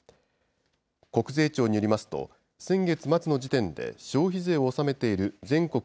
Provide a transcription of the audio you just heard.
国税庁によりますと、先月末の時点で、消費税を納めている全国